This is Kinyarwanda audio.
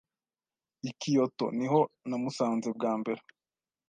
I Kyoto niho namusanze bwa mbere.